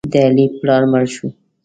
د علي پلار مړ شو.